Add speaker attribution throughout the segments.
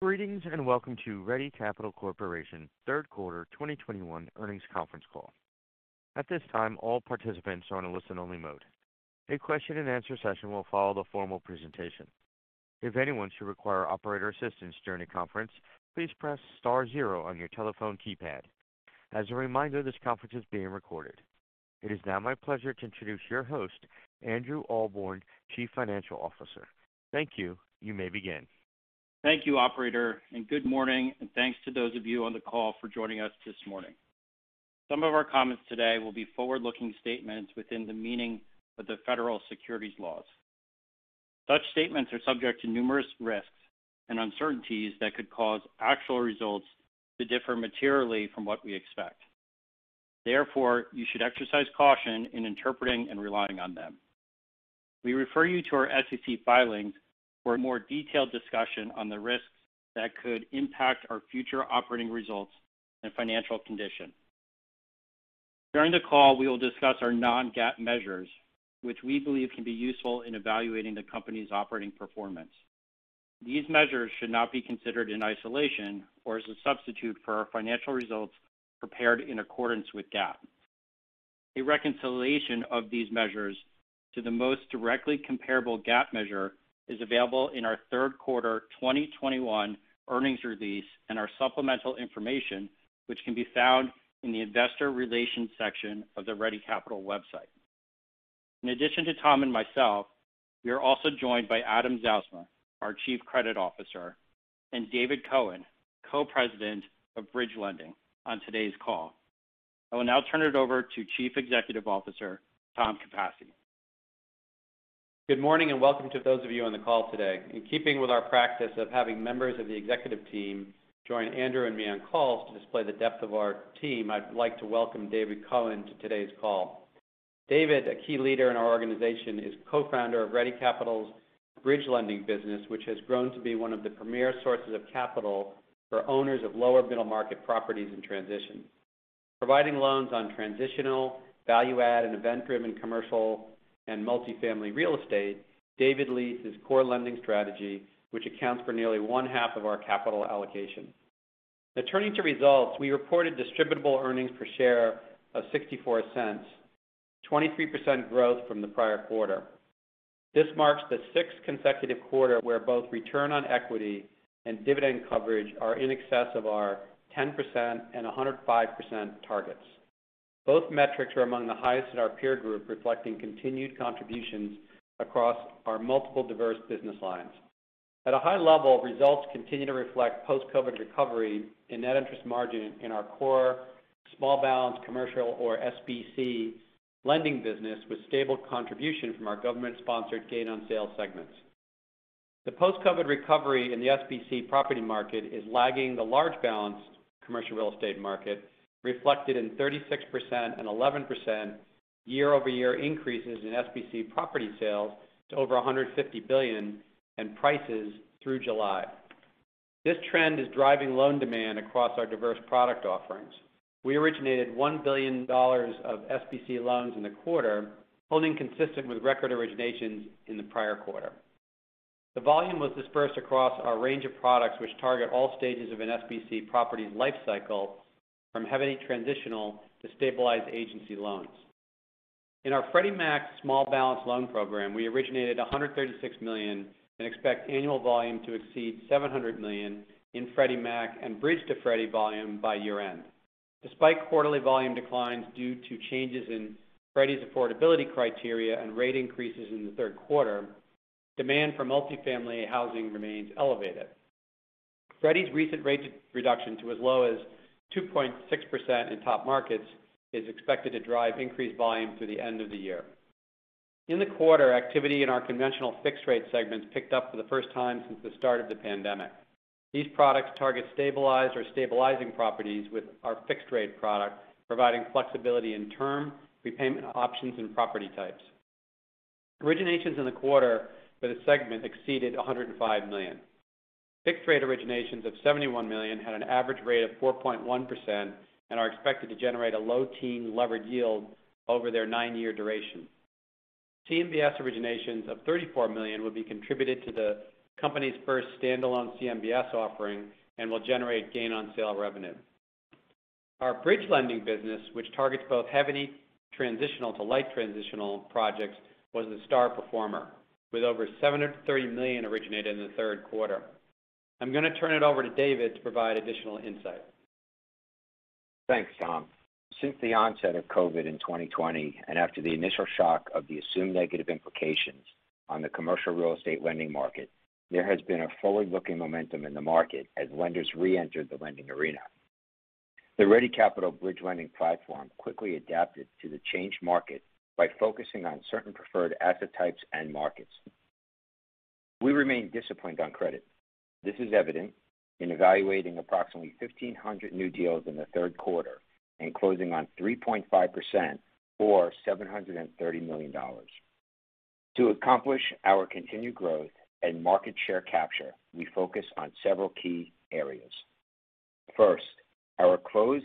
Speaker 1: Greetings, and welcome to Ready Capital Corporation third quarter 2021 earnings conference call. At this time, all participants are on a listen-only mode. A question-and-answer session will follow the formal presentation. If anyone should require operator assistance during the conference, please press star zero on your telephone keypad. As a reminder, this conference is being recorded. It is now my pleasure to introduce your host, Andrew Ahlborn, Chief Financial Officer. Thank you. You may begin.
Speaker 2: Thank you, operator, and good morning, and thanks to those of you on the call for joining us this morning. Some of our comments today will be forward-looking statements within the meaning of the federal securities laws. Such statements are subject to numerous risks and uncertainties that could cause actual results to differ materially from what we expect. Therefore, you should exercise caution in interpreting and relying on them. We refer you to our SEC filings for a more detailed discussion on the risks that could impact our future operating results and financial condition. During the call, we will discuss our non-GAAP measures, which we believe can be useful in evaluating the company's operating performance. These measures should not be considered in isolation or as a substitute for our financial results prepared in accordance with GAAP. A reconciliation of these measures to the most directly comparable GAAP measure is available in our third quarter 2021 earnings release and our supplemental information, which can be found in the investor relations section of the Ready Capital website. In addition to Tom and myself, we are also joined by Adam Zausmer, our Chief Credit Officer, and David Cohen, Co-Head of Bridge Lending on today's call. I will now turn it over to Chief Executive Officer, Tom Capasse.
Speaker 3: Good morning, and welcome to those of you on the call today. In keeping with our practice of having members of the executive team, join Andrew and me on calls to display the depth of our team, I'd like to welcome David Cohen to today's call. David, a key leader in our organization, is co-founder of Ready Capital's Bridge Lending business, which has grown to be one of the premier sources of capital for owners of lower middle market properties in transition. Providing loans on transitional, value add, and event-driven commercial and multifamily real estate, David leads his core lending strategy, which accounts for nearly one-half of our capital allocation. Now turning to results, we reported distributable earnings per share of $0.64, 23% growth from the prior quarter. This marks the sixth consecutive quarter where both return on equity and dividend coverage are in excess of our 10% and 105% targets. Both metrics are among the highest in our peer group, reflecting continued contributions across our multiple diverse business lines. At a high level, results continue to reflect post-COVID recovery and net interest margin in our core small balance commercial or SBC lending business, with stable contribution from our government-sponsored gain on sales segments. The post-COVID recovery in the SBC property market is lagging the large balance commercial real estate market, reflected in 36% and 11% year-over-year increases in SBC property sales to over $150 billion in prices through July. This trend is driving loan demand across our diverse product offerings. We originated $1 billion of SBA loans in the quarter, holding consistent with record originations in the prior quarter. The volume was dispersed across our range of products which target all stages of an SBA property's life cycle from heavy transitional to stabilized agency loans. In our Freddie Mac Small Balance Loan program, we originated $136 million and expect annual volume to exceed $700 million in Freddie Mac and Bridge to Freddie volume by year-end. Despite quarterly volume declines due to changes in Freddie's affordability criteria and rate increases in the third quarter, demand for multifamily housing remains elevated. Freddie's recent rate reduction to as low as 2.6% in top markets is expected to drive increased volume through the end of the year. In the quarter, activity in our conventional fixed rate segments picked up for the first time since the start of the pandemic. These products target stabilized or stabilizing properties with our fixed rate product, providing flexibility in term, repayment options, and property types. Originations in the quarter for the segment exceeded $105 million. Fixed rate originations of $71 million had an average rate of 4.1% and are expected to generate a low teen levered yield over their nine-year duration. CMBS originations of $34 million will be contributed to the company's first standalone CMBS offering and will generate gain on sale revenue. Our Bridge Lending business, which targets both heavy transitional to light transitional projects, was the star performer with over $730 million originated in the third quarter. I'm gonna turn it over to David to provide additional insight.
Speaker 4: Thanks, Tom. Since the onset of COVID in 2020, and after the initial shock of the assumed negative implications on the commercial real estate lending market, there has been a forward-looking momentum in the market as lenders reentered the lending arena. The Ready Capital Bridge Lending platform quickly adapted to the changed market by focusing on certain preferred asset types and markets. We remain disciplined on credit. This is evident in evaluating approximately 1,500 new deals in the third quarter and closing on 3.5% for $730 million. To accomplish our continued growth and market share capture, we focus on several key areas. First, our closed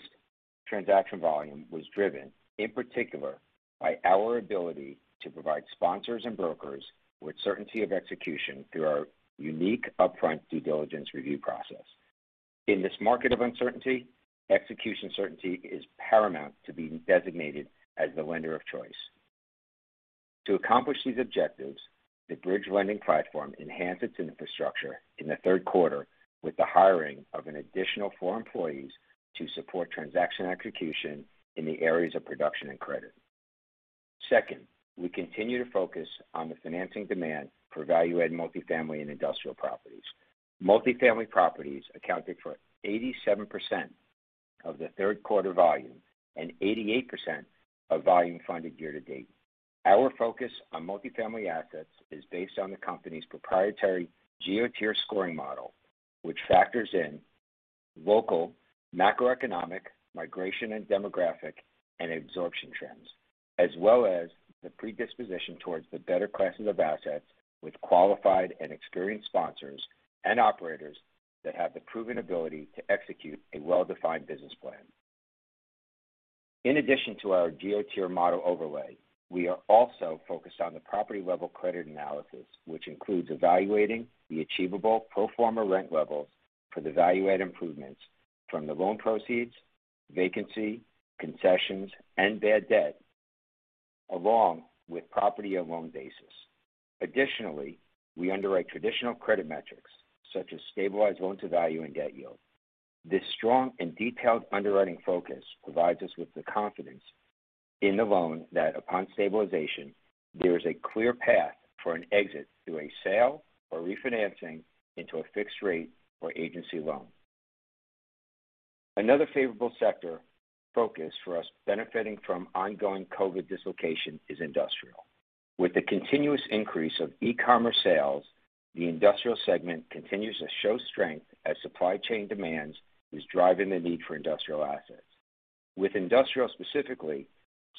Speaker 4: transaction volume was driven in particular by our ability to provide sponsors and brokers with certainty of execution through our unique upfront due diligence review process. In this market of uncertainty, execution certainty is paramount to being designated as the lender of choice. To accomplish these objectives, the bridge lending platform enhanced its infrastructure in the third quarter with the hiring of an additional four employees to support transaction execution in the areas of production and credit. Second, we continue to focus on the financing demand for value-add multifamily and industrial properties. Multifamily properties accounted for 87% of the third quarter volume and 88% of volume funded year-to-date. Our focus on multifamily assets is based on the company's proprietary geo-tier scoring model, which factors in local macroeconomic migration and demographic and absorption trends, as well as the predisposition towards the better classes of assets with qualified and experienced sponsors and operators that have the proven ability to execute a well-defined business plan. In addition to our geo-tier model overlay, we are also focused on the property-level credit analysis, which includes evaluating the achievable pro forma rent levels for the value add improvements from the loan proceeds, vacancy, concessions, and bad debt, along with property and loan basis. Additionally, we underwrite traditional credit metrics such as stabilized loan to value and debt yield. This strong and detailed underwriting focus provides us with the confidence in the loan that upon stabilization, there is a clear path for an exit through a sale or refinancing into a fixed rate or agency loan. Another favorable sector focus for us benefiting from ongoing COVID dislocation is industrial. With the continuous increase of e-commerce sales, the industrial segment continues to show strength as supply chain demand is driving the need for industrial assets. With industrial specifically,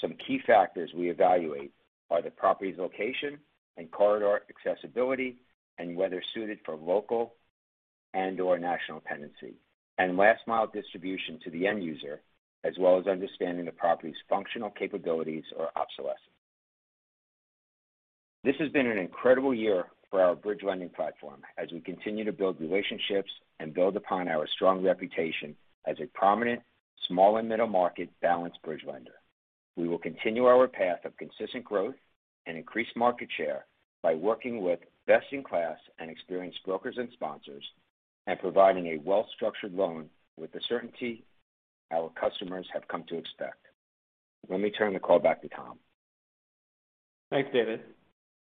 Speaker 4: some key factors we evaluate are the property's location and corridor accessibility and whether suited for local and/or national tenancy and last mile distribution to the end user, as well as understanding the property's functional capabilities or obsolescence. This has been an incredible year for our bridge lending platform as we continue to build relationships and build upon our strong reputation as a prominent small and middle market balance-sheet bridge lender. We will continue our path of consistent growth and increase market share by working with best-in-class and experienced brokers and sponsors and providing a well-structured loan with the certainty our customers have come to expect. Let me turn the call back to Tom.
Speaker 3: Thanks, David.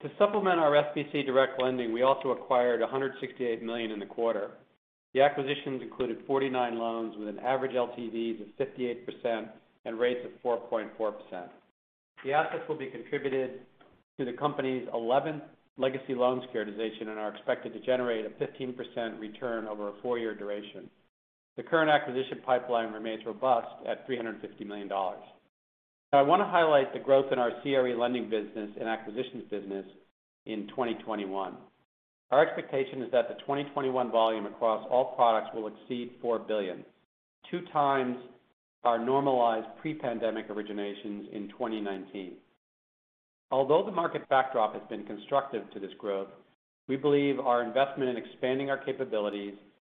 Speaker 3: To supplement our SBC direct lending, we also acquired $168 million in the quarter. The acquisitions included 49 loans with an average LTV of 58% and rates of 4.4%. The assets will be contributed to the company's 11th legacy loan securitization and are expected to generate a 15% return over a four-year duration. The current acquisition pipeline remains robust at $350 million. I want to highlight the growth in our CRE lending business and acquisitions business in 2021. Our expectation is that the 2021 volume across all products will exceed $4 billion, two times our normalized pre-pandemic originations in 2019. Although the market backdrop has been constructive to this growth, we believe our investment in expanding our capabilities,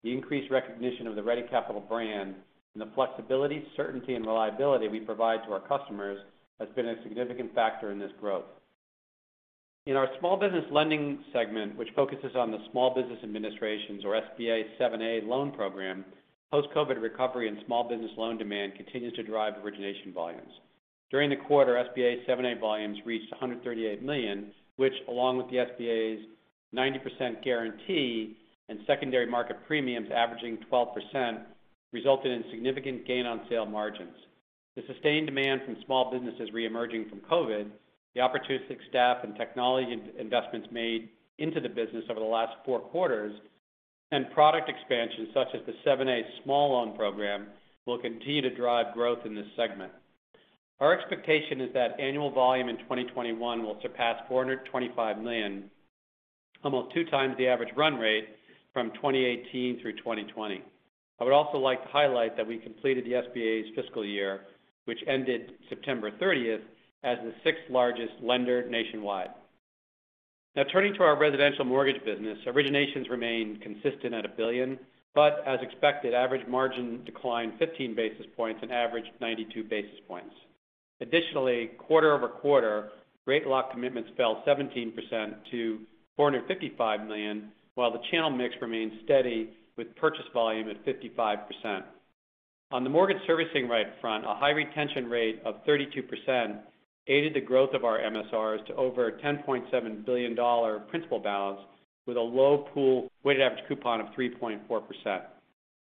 Speaker 3: the increased recognition of the Ready Capital brand, and the flexibility, certainty, and reliability we provide to our customers has been a significant factor in this growth. In our small business lending segment, which focuses on the Small Business Administration's or SBA 7(a) loan program, post-COVID recovery and small business loan demand continues to drive origination volumes. During the quarter, SBA 7(a) volumes reached $138 million, which along with the SBA's 90% guarantee and secondary market premiums averaging 12%, resulted in significant gain on sale margins. The sustained demand from small businesses reemerging from COVID, the opportunistic staff and technology investments made into the business over the last four quarters, and product expansions such as the SBA 7(a) Small Loan program will continue to drive growth in this segment. Our expectation is that annual volume in 2021 will surpass $425 million, almost two times the average run rate from 2018 through 2020. I would also like to highlight that we completed the SBA's fiscal year, which ended September 30th, as the sixth largest lender nationwide. Now turning to our residential mortgage business, originations remain consistent at $1 billion, but as expected, average margin declined 15 basis points and averaged 92 basis points. Additionally, quarter-over-quarter, rate lock commitments fell 17% to $455 million, while the channel mix remains steady with purchase volume at 55%. On the mortgage servicing right front, a high retention rate of 32% aided the growth of our MSRs to over $10.7 billion principal balance with a low pool weighted average coupon of 3.4%.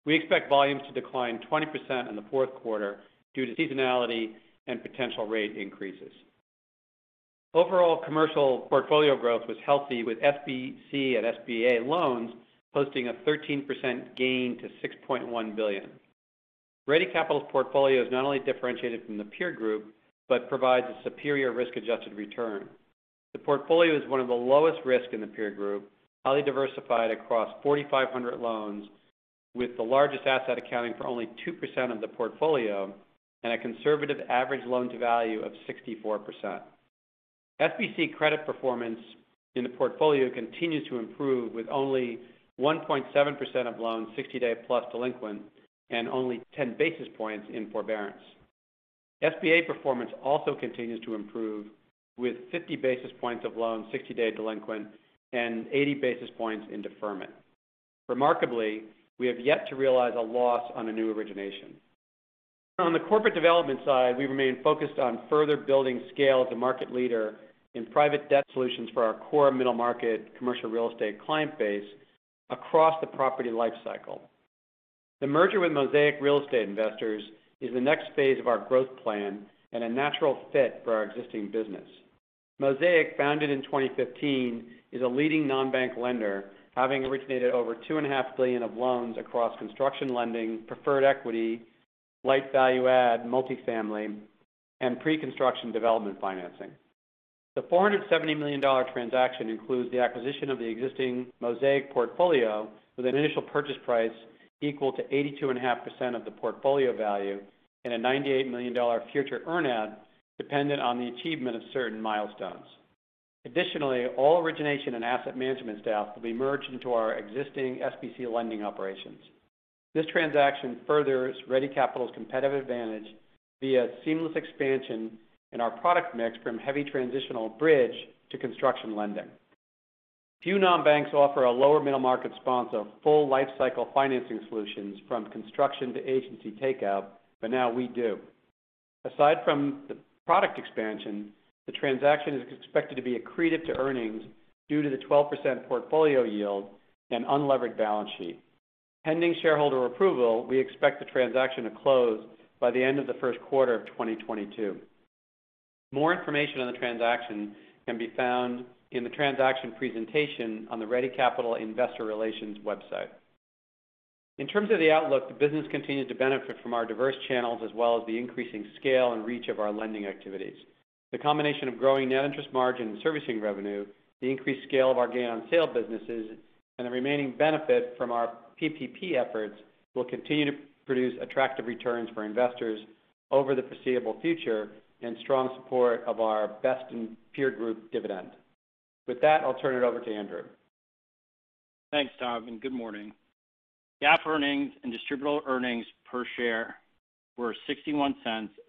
Speaker 3: We expect volumes to decline 20% in the fourth quarter due to seasonality and potential rate increases. Overall commercial portfolio growth was healthy, with SBC and SBA loans posting a 13% gain to $6.1 billion. Ready Capital's portfolio is not only differentiated from the peer group, but provides a superior risk-adjusted return. The portfolio is one of the lowest risk in the peer group, highly diversified across 4,500 loans, with the largest asset accounting for only 2% of the portfolio and a conservative average loan-to-value of 64%. SBC credit performance in the portfolio continues to improve, with only 1.7% of loans 60-day-plus delinquent and only 10 basis points in forbearance. SBA performance also continues to improve, with 50 basis points of loans 60-day delinquent and 80 basis points in deferment. Remarkably, we have yet to realize a loss on a new origination. On the corporate development side, we remain focused on further building scale as a market leader in private debt solutions for our core middle market commercial real estate client base across the property life cycle. The merger with Mosaic Real Estate Investors is the next phase of our growth plan and a natural fit for our existing business. Mosaic, founded in 2015, is a leading non-bank lender, having originated over $2.5 billion of loans across construction lending, preferred equity, light value add, multifamily, and pre-construction development financing. The $470 million transaction includes the acquisition of the existing Mosaic portfolio with an initial purchase price equal to 82.5% of the portfolio value and a $98 million future earn-out dependent on the achievement of certain milestones. Additionally, all origination and asset management staff will be merged into our existing SBA lending operations. This transaction furthers Ready Capital's competitive advantage via seamless expansion in our product mix from heavy transitional bridge to construction lending. Few non-banks offer a lower middle market sponsor full lifecycle financing solutions from construction to agency takeout, but now we do. Aside from the product expansion, the transaction is expected to be accretive to earnings due to the 12% portfolio yield and unlevered balance sheet. Pending shareholder approval, we expect the transaction to close by the end of the first quarter of 2022. More information on the transaction can be found in the transaction presentation on the Ready Capital Investor Relations website. In terms of the outlook, the business continued to benefit from our diverse channels as well as the increasing scale and reach of our lending activities. The combination of growing net interest margin and servicing revenue, the increased scale of our gain on sale businesses, and the remaining benefit from our PPP efforts will continue to produce attractive returns for investors over the foreseeable future in strong support of our best in peer group dividend. With that, I'll turn it over to Andrew.
Speaker 2: Thanks, Tom, and good morning. GAAP earnings and distributable earnings per share were $0.61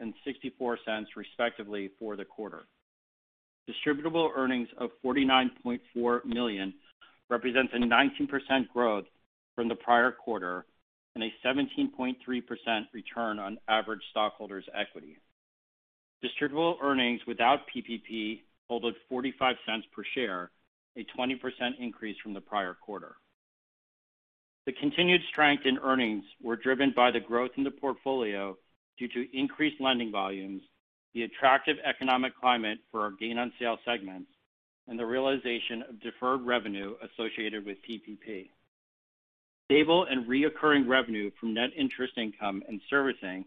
Speaker 2: and $0.64, respectively, for the quarter. Distributable earnings of $49.4 million represents a 19% growth from the prior quarter and a 17.3% return on average stockholders' equity. Distributable earnings without PPP totaled $0.45 per share, a 20% increase from the prior quarter. The continued strength in earnings were driven by the growth in the portfolio due to increased lending volumes, the attractive economic climate for our gain on sale segments, and the realization of deferred revenue associated with PPP. Stable and recurring revenue from net interest income and servicing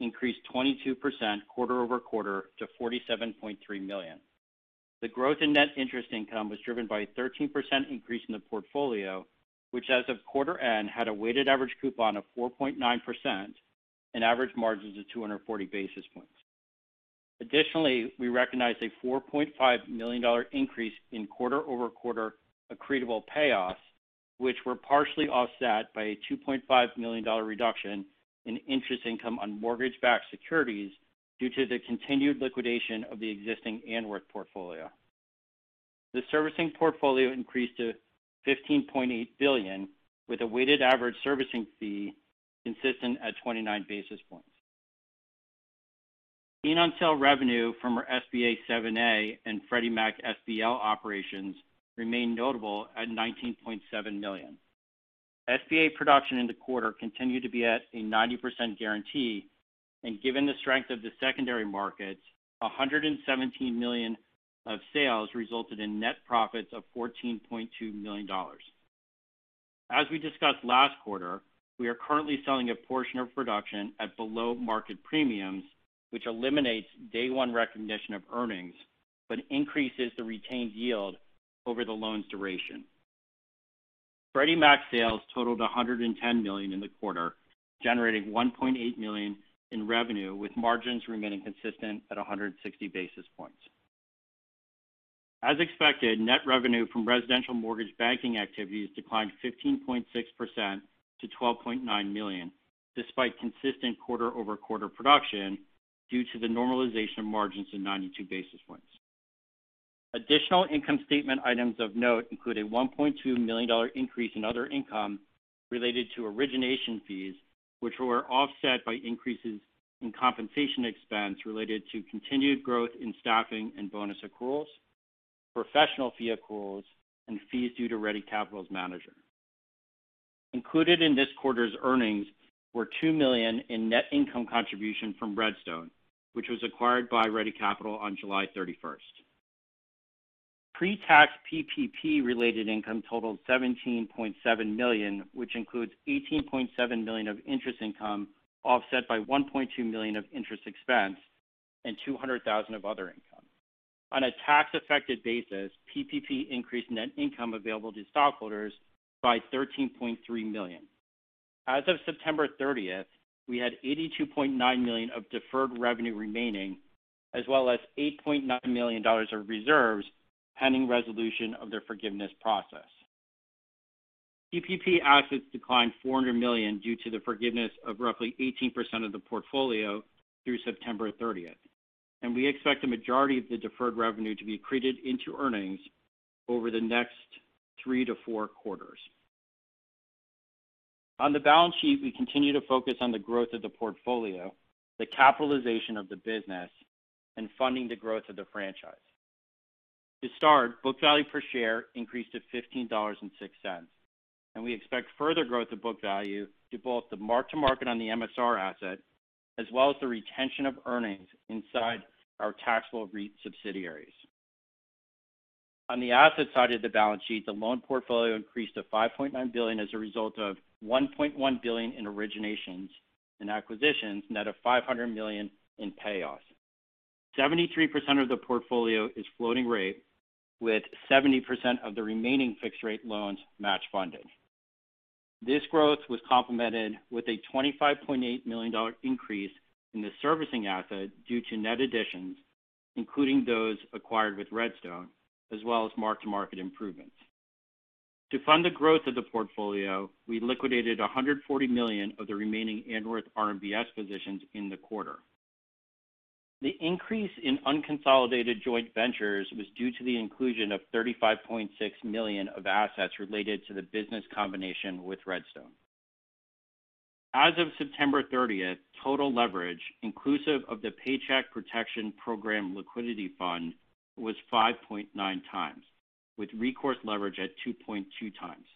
Speaker 2: increased 22% quarter-over-quarter to $47.3 million. The growth in net interest income was driven by a 13% increase in the portfolio, which as of quarter end, had a weighted average coupon of 4.9% and average margins of 240 basis points. Additionally, we recognized a $4.5 million increase in quarter-over-quarter accretable payoffs, which were partially offset by a $2.5 million reduction in interest income on mortgage-backed securities due to the continued liquidation of the existing Anworth portfolio. The servicing portfolio increased to $15.8 billion, with a weighted average servicing fee consistent at 29 basis points. Gain on sale revenue from our SBA 7(a) and Freddie Mac SBL operations remained notable at $19.7 million. SBA production in the quarter continued to be at a 90% guarantee, and given the strength of the secondary markets, $117 million of sales resulted in net profits of $14.2 million. As we discussed last quarter, we are currently selling a portion of production at below-market premiums, which eliminates day one recognition of earnings but increases the retained yield over the loan's duration. Freddie Mac sales totaled $110 million in the quarter, generating $1.8 million in revenue, with margins remaining consistent at 160 basis points. As expected, net revenue from residential mortgage banking activities declined 15.6% to $12.9 million, despite consistent quarter-over-quarter production due to the normalization of margins to 92 basis points. Additional income statement items of note include a $1.2 million increase in other income related to origination fees, which were offset by increases in compensation expense related to continued growth in staffing and bonus accruals, professional fee accruals, and fees due to Ready Capital's manager. Included in this quarter's earnings were $2 million in net income contribution from RedStone, which was acquired by Ready Capital on July 31. Pre-tax PPP related income totaled $17.7 million, which includes $18.7 million of interest income, offset by $1.2 million of interest expense and $200,000 of other income. On a tax-affected basis, PPP increased net income available to stockholders by $13.3 million. As of September 30th, we had $82.9 million of deferred revenue remaining, as well as $8.9 million of reserves pending resolution of their forgiveness process. PPP assets declined $400 million due to the forgiveness of roughly 18% of the portfolio through September 30th, and we expect the majority of the deferred revenue to be accreted into earnings over the next three to four quarters. On the balance sheet, we continue to focus on the growth of the portfolio, the capitalization of the business, and funding the growth of the franchise. To start, book value per share increased to $15.06, and we expect further growth of book value due both to mark-to-market on the MSR asset as well as the retention of earnings inside our taxable REIT subsidiaries. On the asset side of the balance sheet, the loan portfolio increased to $5.9 billion as a result of $1.1 billion in originations and acquisitions, net of $500 million in payoffs. 73% of the portfolio is floating rate, with 70% of the remaining fixed rate loans match funded. This growth was complemented with a $25.8 million increase in the servicing assets due to net additions, including those acquired with RedStone, as well as mark-to-market improvements. To fund the growth of the portfolio, we liquidated $140 million of the remaining Anworth RMBS positions in the quarter. The increase in unconsolidated joint ventures was due to the inclusion of $35.6 million of assets related to the business combination with RedStone. As of September 30th, total leverage inclusive of the Paycheck Protection Program liquidity fund was 5.9 times, with recourse leverage at 2.2 times.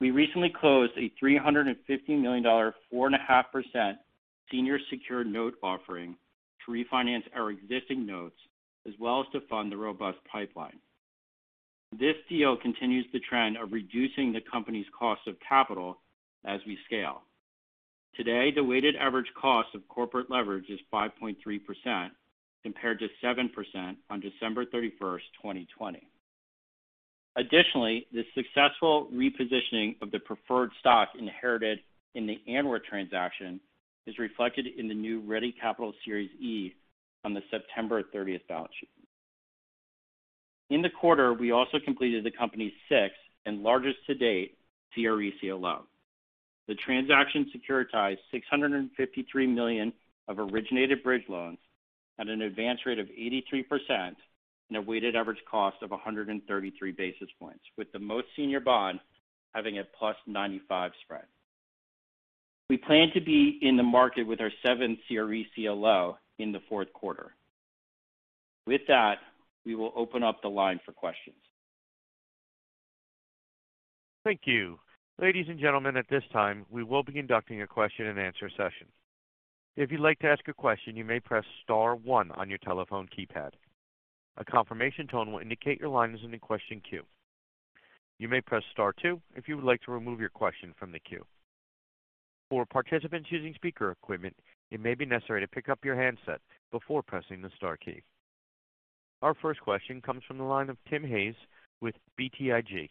Speaker 2: We recently closed a $350 million, 4.5% senior secured note offering to refinance our existing notes as well as to fund the robust pipeline. This deal continues the trend of reducing the company's cost of capital as we scale. Today, the weighted average cost of corporate leverage is 5.3% compared to 7% on December 31st, 2020. Additionally, the successful repositioning of the preferred stock inherited in the Anworth transaction is reflected in the new Ready Capital Series E on the September 30 balance sheet. In the quarter, we also completed the company's sixth and largest to date CRE CLO. The transaction securitized $653 million of originated bridge loans at an advance rate of 83% and a weighted average cost of 133 basis points, with the most senior bond having a +95% spread. We plan to be in the market with our seventh CRECLO in the fourth quarter. With that, we will open up the line for questions.
Speaker 1: Thank you. Ladies and gentlemen, at this time, we will be conducting a question-and-answer session. If you'd like to ask a question, you may press star one on your telephone keypad. A confirmation tone will indicate your line is in the question queue. You may press star two if you would like to remove your question from the queue. For participants using speaker equipment, it may be necessary to pick up your handset before pressing the star key. Our first question comes from the line of Tim Hayes with BTIG.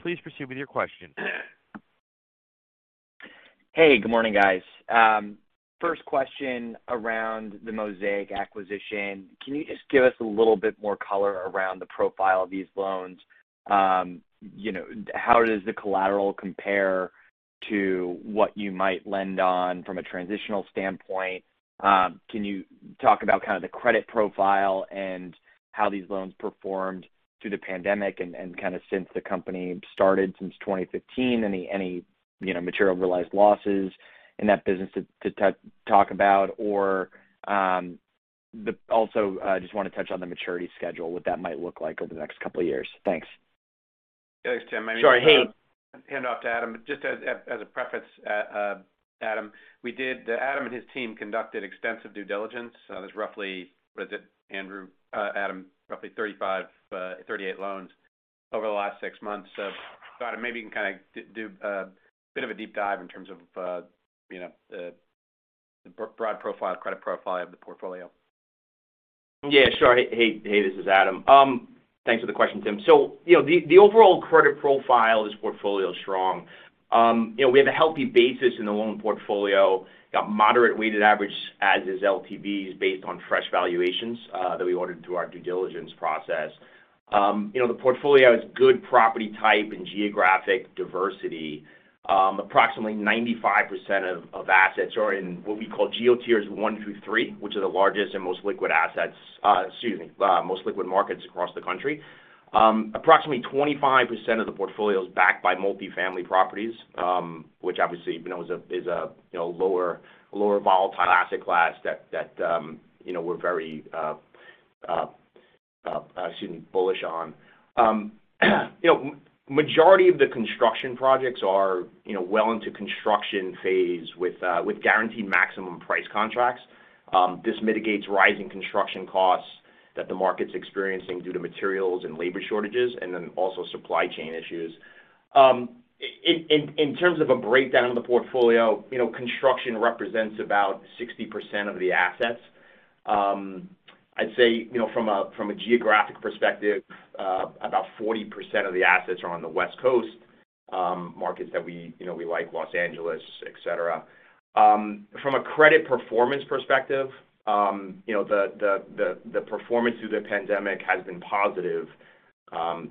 Speaker 1: Please proceed with your question.
Speaker 5: Hey, good morning, guys. First question around the Mosaic acquisition. Can you just give us a little bit more color around the profile of these loans? You know, how does the collateral compare to what you might lend on from a transitional standpoint? Can you talk about kind of the credit profile and how these loans performed through the pandemic and kind of since the company started since 2015? Any, you know, material realized losses in that business to talk about or, also, I just want to touch on the maturity schedule, what that might look like over the next couple of years. Thanks.
Speaker 3: Thanks, Tim.
Speaker 5: Sorry. Hey
Speaker 3: I'm going to hand off to Adam. Just as a preface, Adam and his team conducted extensive due diligence. There's roughly, what is it, Andrew, Adam, roughly 35, 38 loans over the last six months. Adam, maybe you can kind of do a bit of a deep dive in terms of, you know, the broad profile, credit profile of the portfolio.
Speaker 6: Yeah, sure. Hey, hey, this is Adam. Thanks for the question, Tim. You know, the overall credit profile of this portfolio is strong. You know, we have a healthy basis in the loan portfolio, got moderate weighted average as-is LTVs based on fresh valuations that we ordered through our due diligence process. You know, the portfolio has good property type and geographic diversity. Approximately 95% of assets are in what we call geo-tiers one through three, which are the largest and most liquid assets, excuse me, most liquid markets across the country. Approximately 25% of the portfolio is backed by multifamily properties, which obviously, you know, is a lower volatile asset class that, you know, we're very bullish on. You know, majority of the construction projects are, you know, well into construction phase with guaranteed maximum price contracts. This mitigates rising construction costs that the market's experiencing due to materials and labor shortages, and then also supply chain issues. In terms of a breakdown of the portfolio, you know, construction represents about 60% of the assets. I'd say, you know, from a geographic perspective, about 40% of the assets are on the West Coast, markets that we, you know, we like Los Angeles, et cetera. From a credit performance perspective, you know, the performance through the pandemic has been positive,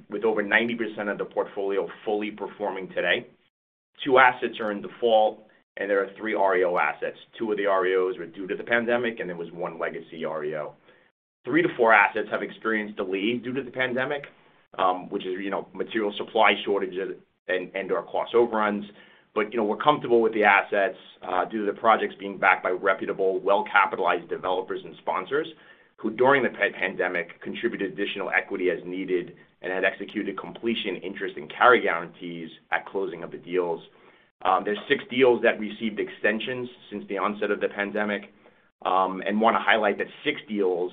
Speaker 6: with over 90% of the portfolio fully performing today. Two assets are in default, and there are three REO assets. Two of the REOs were due to the pandemic, and there was one legacy REO. Three to four assets have experienced a delay due to the pandemic, which is, you know, material supply shortages and/or cost overruns. We're comfortable with the assets due to the projects being backed by reputable, well-capitalized developers and sponsors, who during the pandemic contributed additional equity as needed and had executed completion interest and carry guarantees at closing of the deals. There's six deals that received extensions since the onset of the pandemic. And wanna highlight that six deals,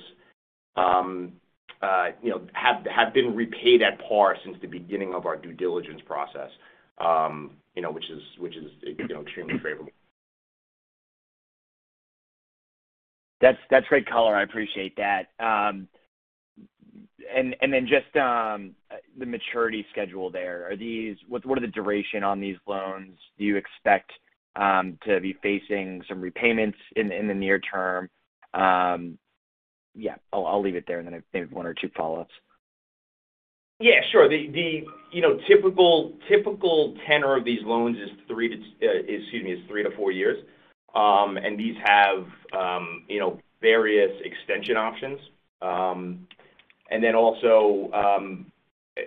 Speaker 6: you know, have been repaid at par since the beginning of our due diligence process, which is extremely favorable.
Speaker 5: That's great color. I appreciate that. Just the maturity schedule there. What are the duration on these loans? Do you expect to be facing some repayments in the near term? Yeah. I'll leave it there and then I have maybe one or two follow-ups.
Speaker 6: Yeah, sure. The you know, typical tenor of these loans is three to four years. And these have you know, various extension options. Then also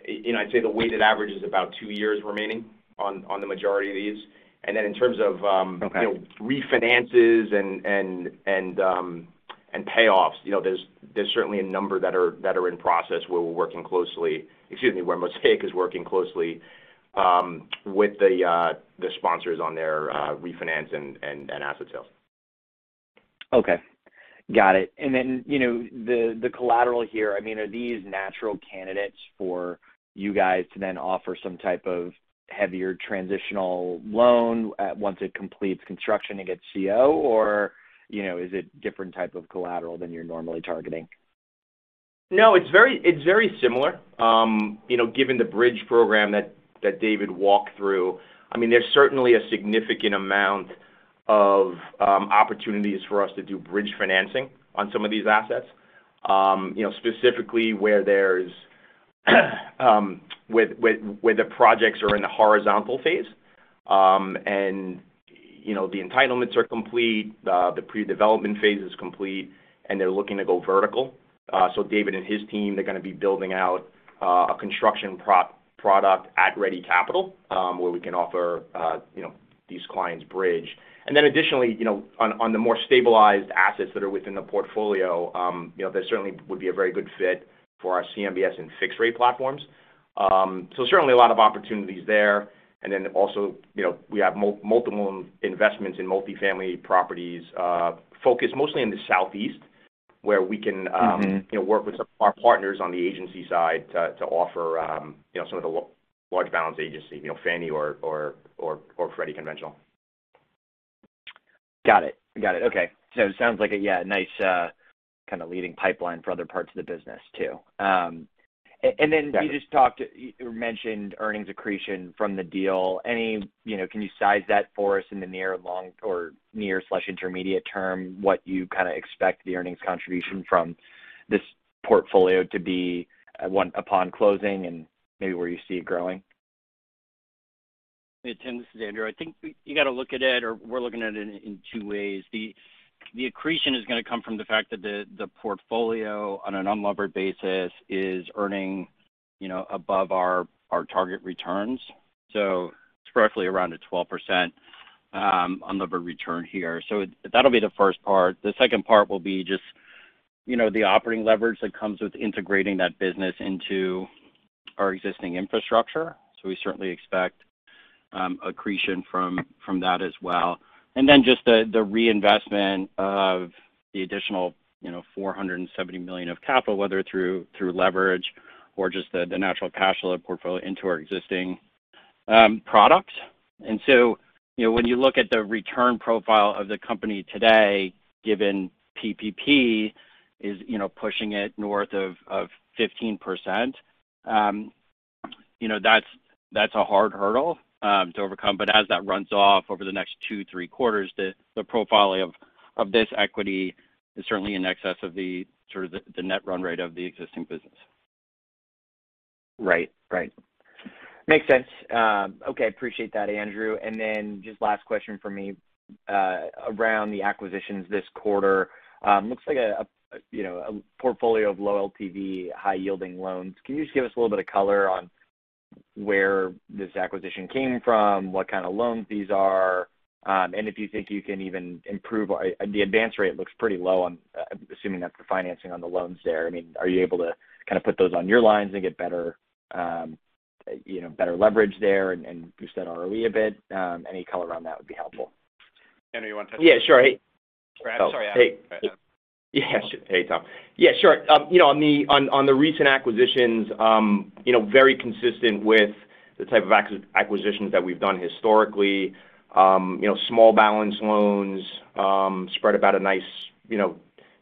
Speaker 6: you know, I'd say the weighted average is about two years remaining on the majority of these. Then in terms of.
Speaker 5: Okay.
Speaker 6: You know, refinances and payoffs, you know, there's certainly a number that are in process where we're working closely, excuse me, where Mosaic is working closely with the sponsors on their refinance and asset sales.
Speaker 5: Okay. Got it. You know, the collateral here, I mean, are these natural candidates for you guys to then offer some type of heavier transitional loan, once it completes construction and gets CO, or, you know, is it different type of collateral than you're normally targeting?
Speaker 6: No, it's very similar. You know, given the bridge program that David walked through, I mean, there's certainly a significant amount of opportunities for us to do bridge financing on some of these assets. You know, specifically where the projects are in the horizontal phase. And, you know, the entitlements are complete. The pre-development phase is complete, and they're looking to go vertical. So David and his team, they're gonna be building out a construction product at Ready Capital, where we can offer you know, these clients bridge. And then additionally, you know, on the more stabilized assets that are within the portfolio, you know, there certainly would be a very good fit for our CMBS and fixed rate platforms. So certainly a lot of opportunities there. And then also, you know, we have multiple investments in multifamily properties, focused mostly in the Southeast, where we can.
Speaker 5: Mm-hmm.
Speaker 6: You know, work with some of our partners on the agency side to offer you know, some of the large balance agency, you know, Fannie or Freddie conventional.
Speaker 5: Got it. Okay. It sounds like yeah, a nice kinda lending pipeline for other parts of the business too, and then.
Speaker 6: Yeah.
Speaker 5: You just talked or mentioned earnings accretion from the deal. You know, can you size that for us in the near long or near/intermediate term, what you kinda expect the earnings contribution from this portfolio to be, upon closing and maybe where you see it growing?
Speaker 2: Hey, Tim, this is Andrew. I think you gotta look at it or we're looking at it in two ways. The accretion is gonna come from the fact that the portfolio on an unlevered basis is earning, you know, above our target returns. So it's roughly around 12% unlevered return here. That'll be the first part. The second part will be just, you know, the operating leverage that comes with integrating that business into our existing infrastructure. We certainly expect accretion from that as well. And just the reinvestment of the additional, you know, $470 million of capital, whether through leverage or just the natural cash flow of portfolio into our existing products. And so, you know, when you look at the return profile of the company today, given PPP is, you know, pushing it north of 15%, that's a hard hurdle to overcome. As that runs off over the next two to three quarters, the profile of this equity is certainly in excess of the sort of the net run rate of the existing business.
Speaker 5: Right, right. Makes sense. Okay. Appreciate that, Andrew. Just last question from me around the acquisitions this quarter. Looks like, you know, a portfolio of low LTV, high-yielding loans. Can you just give us a little bit of color on where this acquisition came from, what kind of loans these are, and if you think you can even improve? The advance rate looks pretty low. I'm assuming that's the financing on the loans there. I mean, are you able to kinda put those on your lines and get better, you know, better leverage there and boost that ROE a bit? Any color on that would be helpful.
Speaker 3: Andrew, you wanna touch on that?
Speaker 2: Yeah, sure.
Speaker 3: Sorry, Andrew. Hey.
Speaker 2: Yeah. Hey, Tom. Yeah, sure. You know, on the recent acquisitions, you know, small balance loans, spread about a nice, you know,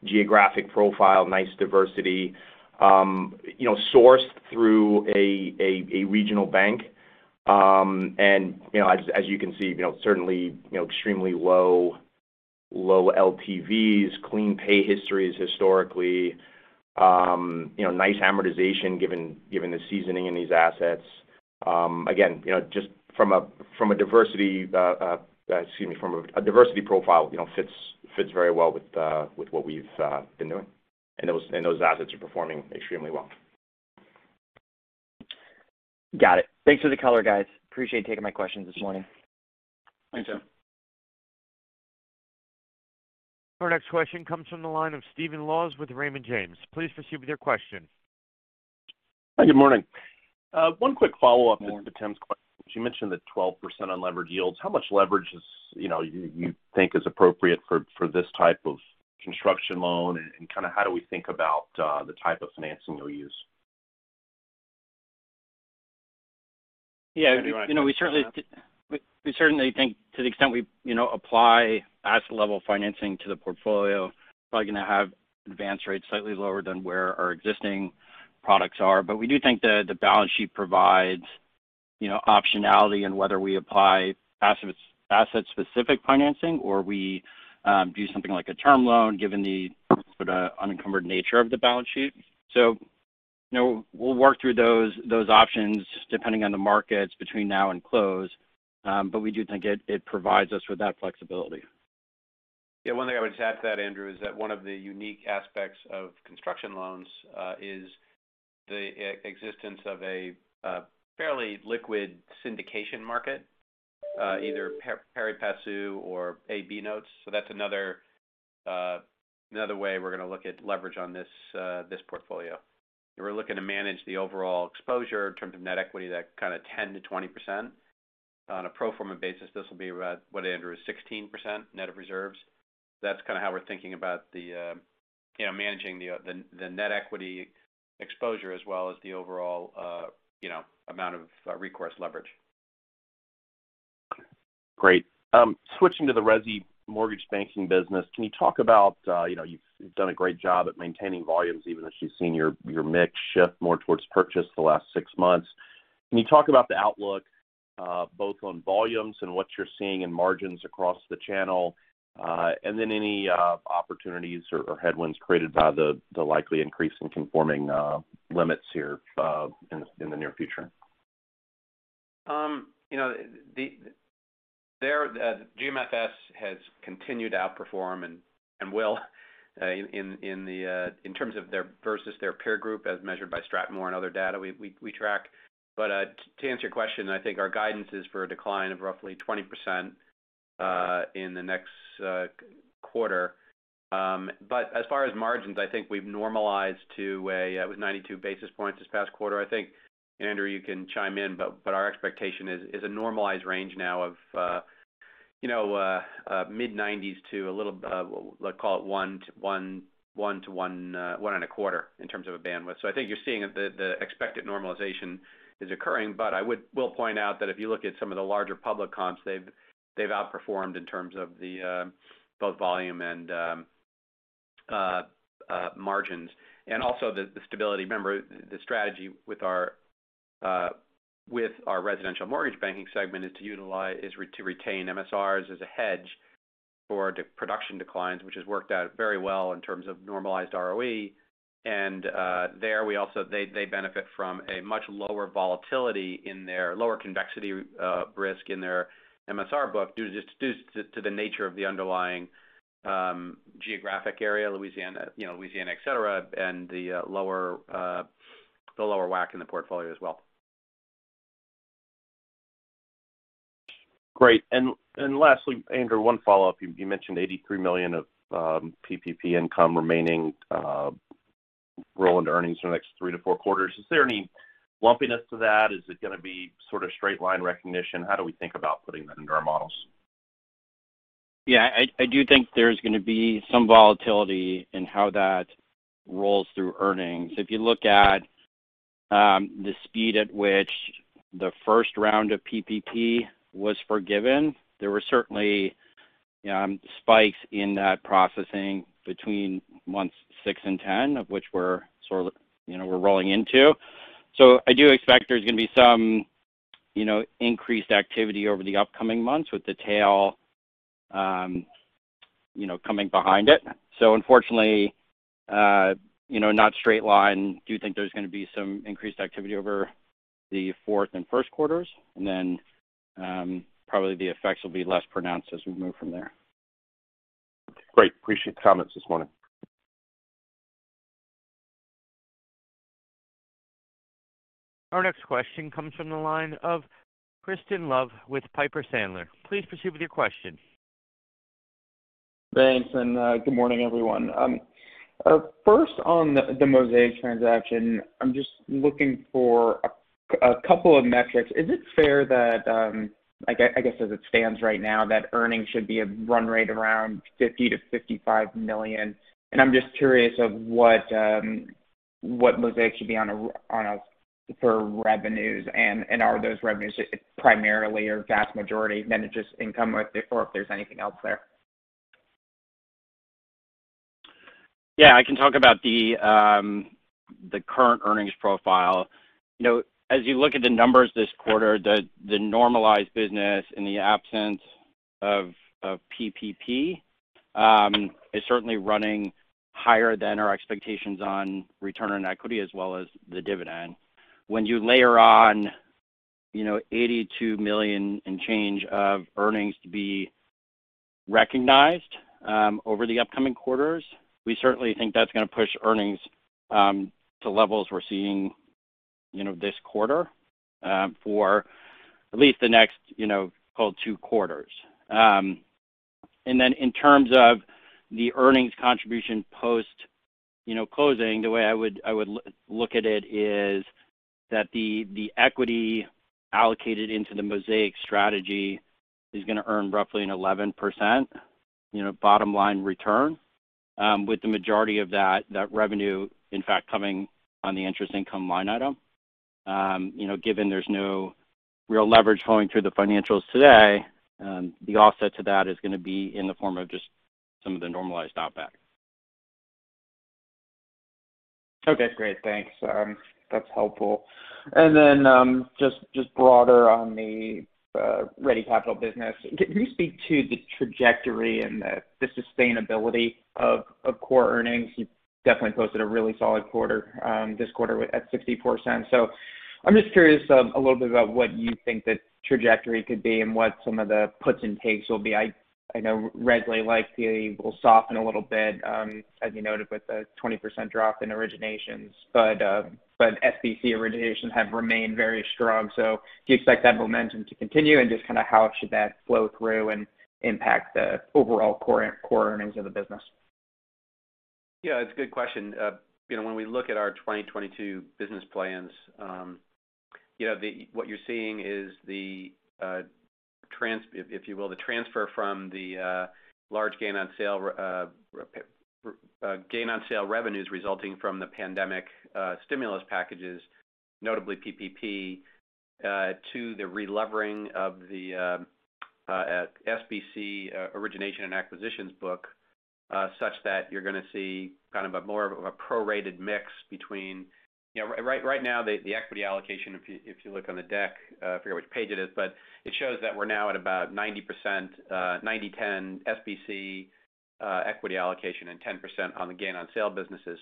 Speaker 2: geographic profile, nice diversity. You know, sourced through a regional bank. You know, as you can see, you know, certainly, you know, extremely low LTVs, clean pay histories historically. You know, nice amortization given the seasoning in these assets. Again, you know, just from a diversity profile, excuse me, from a diversity profile, you know, fits very well with what we've been doing. Those assets are performing extremely well.
Speaker 5: Got it. Thanks for the color, guys. I appreciate you taking my questions this morning.
Speaker 3: Thanks, Tim.
Speaker 1: Our next question comes from the line of Stephen Laws with Raymond James. Please proceed with your question.
Speaker 7: Hi, good morning. One quick follow-up.
Speaker 3: Morning.
Speaker 7: To Tim's question. You mentioned the 12% on levered yields. How much leverage is, you know, you think is appropriate for this type of construction loan, and kind of how do we think about the type of financing you'll use?
Speaker 2: Yeah.
Speaker 3: Andrew, you wanna take that?
Speaker 2: We certainly think to the extent we, you know, apply asset level financing to the portfolio, probably gonna have advanced rates slightly lower than where our existing products are. We do think the balance sheet provides, you know, optionality in whether we apply asset-specific financing or we do something like a term loan given the sorta unencumbered nature of the balance sheet. You know, we'll work through those options depending on the markets between now and close. We do think it provides us with that flexibility.
Speaker 3: Yeah. One thing I would add to that, Andrew, is that one of the unique aspects of construction loans is the existence of a fairly liquid syndication market, either pari passu or A/B notes. That's another way we're gonna look at leverage on this portfolio. We're looking to manage the overall exposure in terms of net equity, that kinda 10%-20%. On a pro forma basis, this will be about, what, Andrew, 16% net of reserves. That's kinda how we're thinking about the, you know, managing the net equity exposure as well as the overall, you know, amount of recourse leverage.
Speaker 7: Great. Switching to the Resi Mortgage Banking business, can you talk about, you know, you've done a great job at maintaining volumes even as you've seen your mix shift more towards purchase the last six months? Can you talk about the outlook, both on volumes and what you're seeing in margins across the channel? Any opportunities or headwinds created by the likely increase in conforming limits here, in the near future?
Speaker 3: You know, GMFS has continued to outperform and will in terms of their versus their peer group as measured by STRATMOR and other data we track. To answer your question, I think our guidance is for a decline of roughly 20% in the next quarter. As far as margins, I think we've normalized to 92 basis points this past quarter. I think, Andrew, you can chime in, but our expectation is a normalized range now of mid-90s to a little above, well, call it 100 to 125 in terms of a bandwidth. I think you're seeing the expected normalization occurring. But I will point out that if you look at some of the larger public comps, they've outperformed in terms of both volume and margins and also the stability. Remember, the strategy with our residential mortgage banking segment is to retain MSRs as a hedge for production declines, which has worked out very well in terms of normalized ROE. They benefit from a much lower volatility in their lower convexity risk in their MSR book due to the nature of the underlying geographic area, Louisiana, et cetera, and the lower WAC in the portfolio as well.
Speaker 7: Great. Lastly, Andrew, one follow-up. You mentioned $83 million of PPP income remaining roll into earnings in the next three to four quarters. Is there any lumpiness to that? Is it gonna be sort of straight line recognition? How do we think about putting that into our models?
Speaker 2: Yeah. I do think there's gonna be some volatility in how that rolls through earnings. If you look at the speed at which the first round of PPP was forgiven, there were certainly spikes in that processing between months six and 10, of which we're sort of, you know, we're rolling into. I do expect there's gonna be some, you know, increased activity over the upcoming months with the tail, you know, coming behind it. Unfortunately, you know, not straight line. Do think there's gonna be some increased activity over the fourth and first quarters. Then, probably the effects will be less pronounced as we move from there.
Speaker 7: Great. Appreciate the comments this morning.
Speaker 1: Our next question comes from the line of Crispin Love with Piper Sandler. Please proceed with your question.
Speaker 8: Thanks. Good morning, everyone. First on the Mosaic transaction, I'm just looking for a couple of metrics. Is it fair that I guess, as it stands right now, that earnings should be a run rate around $50 million-$55 million? I'm just curious of what Mosaic should be on a run rate for revenues, and are those revenues primarily or vast majority net interest income or if there's anything else there?
Speaker 3: Yeah, I can talk about the current earnings profile. You know, as you look at the numbers this quarter, the normalized business in the absence of PPP is certainly running higher than our expectations on return on equity as well as the dividend. When you layer on, you know, $82 million and change of earnings to be recognized over the upcoming quarters, we certainly think that's gonna push earnings to levels we're seeing, you know, this quarter, for at least the next, you know, call it two quarters. In terms of the earnings contribution post closing, the way I would look at it is that the equity allocated into the Mosaic strategy is gonna earn roughly an 11% bottom line return, you know, with the majority of that revenue, in fact, coming on the interest income line item. You know, given there's no real leverage flowing through the financials today, the offset to that is gonna be in the form of just some of the normalized OPEX.
Speaker 8: Okay, great. Thanks. That's helpful. Then, just broader on the Ready Capital business. Can you speak to the trajectory and the sustainability of core earnings? You've definitely posted a really solid quarter, this quarter at $0.64. I'm just curious, a little bit about what you think the trajectory could be and what some of the puts and takes will be? I know Resi like will soften a little bit, as you noted with the 20% drop in originations. SBC originations have remained very strong. Do you expect that momentum to continue? Just kinda how should that flow through and impact the overall core earnings of the business?
Speaker 3: Yeah, it's a good question. You know, when we look at our 2022 business plans, what you're seeing is the, if you will, transfer from the large gain on sale revenues resulting from the pandemic stimulus packages, notably PPP, to the relevering of the SBC origination and acquisitions book, such that you're gonna see kind of a more of a prorated mix between. You know, right now, the equity allocation, if you look on the deck, I forget which page it is, but it shows that we're now at about 90%, 90/10 SBC equity allocation and 10% on the gain on sale businesses.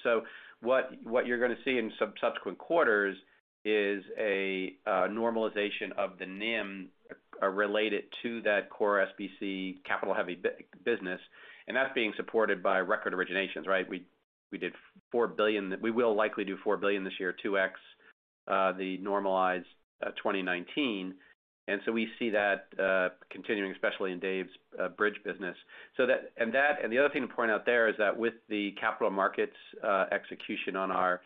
Speaker 3: What you're gonna see in subsequent quarters is a normalization of the NIM related to that core SBC capital-heavy business. That's being supported by record originations, right? We did $4 billion. We will likely do $4 billion this year, 2x the normalized 2019. As we see that continuing, especially in David's bridge business. That and the other thing to point out there is that with the capital markets execution on our,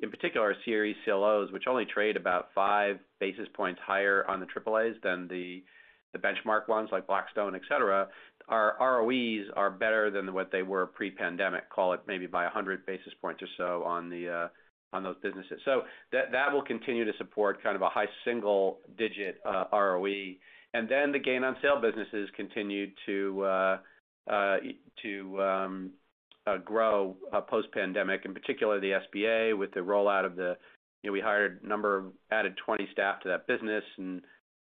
Speaker 3: in particular, our CRE CLOs, which only trade about 5 basis points higher on the AAAs than the benchmark ones like Blackstone, et cetera, our ROEs are better than what they were pre-pandemic. Call it maybe by 100 basis points or so on those businesses. That will continue to support kind of a high single-digit ROE. And then the gain on sale businesses continue to grow post-pandemic, in particular the SBA with the rollout of the. You know, we hired a number of added 20 staff to that business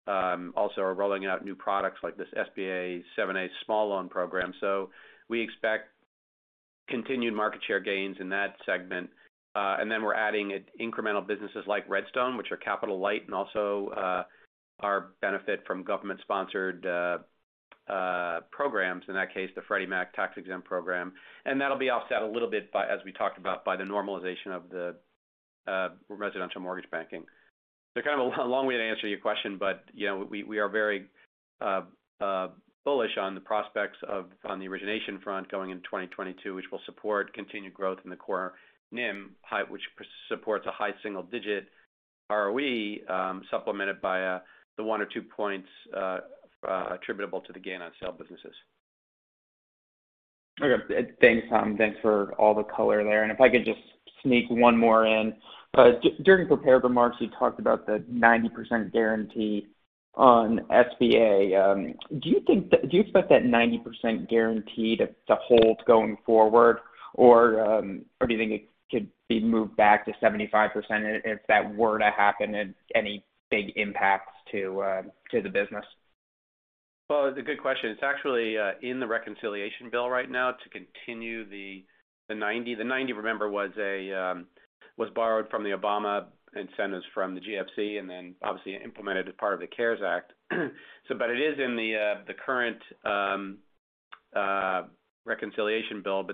Speaker 3: and also are rolling out new products like this SBA 7(a) small loan program. So we expect continued market share gains in that segment. We're adding incremental businesses like RedStone, which are capital light and also are a benefit from government-sponsored programs, in that case the Freddie Mac tax-exempt program. That'll be offset a little bit by, as we talked about, by the normalization of the residential mortgage banking. Kind of a long way to answer your question, but, you know, we are very bullish on the prospects of on the origination front going into 2022, which will support continued growth in the core NIM high, which supports a high single digit ROE, supplemented by the one or two points attributable to the gain on sale businesses.
Speaker 8: Okay. Thanks. Thanks for all the color there. If I could just sneak one more in. During prepared remarks, you talked about the 90% guarantee on SBA. Do you expect that 90% guarantee to hold going forward? Or do you think it could be moved back to 75%? If that were to happen, any big impacts to the business?
Speaker 3: Well, it's a good question. It's actually in the reconciliation bill right now to continue the 90%. The 90%, remember, was borrowed from the Obama incentives from the GFC, and then obviously implemented as part of the CARES Act. It is in the current reconciliation bill.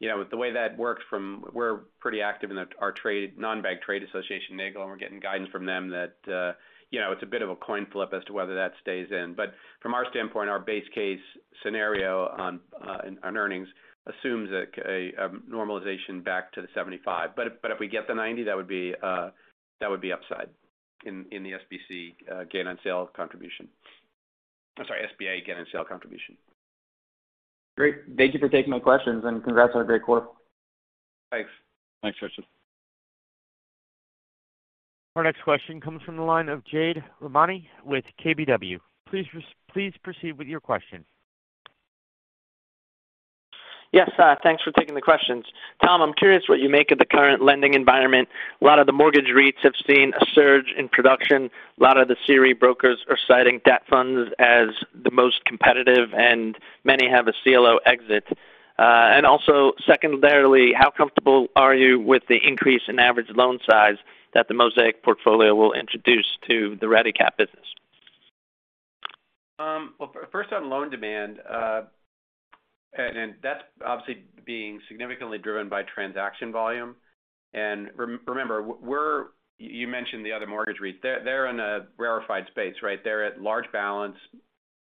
Speaker 3: You know, the way that works. We're pretty active in our trade, non-bank trade association, NAGGL, and we're getting guidance from them that, you know, it's a bit of a coin flip as to whether that stays in. From our standpoint, our base case scenario on earnings assumes a normalization back to the 75%. If we get the 90%, that would be upside in the SBC gain on sale contribution. I'm sorry, SBA gain on sale contribution.
Speaker 8: Great. Thank you for taking my questions, and congrats on a great quarter.
Speaker 3: Thanks.
Speaker 4: Thanks, Crispin.
Speaker 1: Our next question comes from the line of Jade Rahmani with KBW. Please proceed with your question.
Speaker 9: Yes, thanks for taking the questions. Tom, I'm curious what you make of the current lending environment. A lot of the mortgage REITs have seen a surge in production. A lot of the CRE brokers are citing debt funds as the most competitive, and many have a CLO exit. Also secondarily, how comfortable are you with the increase in average loan size that the Mosaic portfolio will introduce to the Ready Capital business?
Speaker 3: First on loan demand, that's obviously being significantly driven by transaction volume. Remember, you mentioned the other mortgage REITs. They're in a rarefied space, right? They're at large balance.